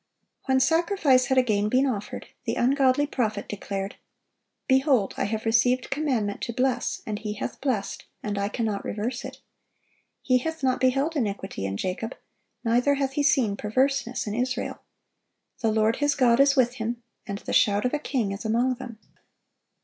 When sacrifice had again been offered, the ungodly prophet declared: "Behold, I have received commandment to bless: and He hath blessed; and I cannot reverse it. He hath not beheld iniquity in Jacob, neither hath He seen perverseness in Israel: the Lord his God is with him, and the shout of a King is among them."